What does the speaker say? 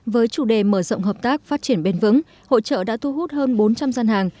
với chủ đề mở rộng hợp tác phát triển bền vững hội trợ đã thu hút hơn bốn trăm linh gian hàng